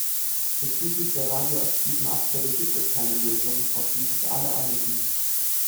Bezüglich der radioaktiven Abfälle gibt es keine Lösung, auf die sich alle einigen.